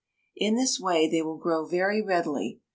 In this way they will grow very readily.